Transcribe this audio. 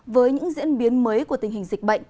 với những diễn biến mới của tình hình dịch bệnh